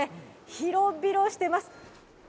広々してます。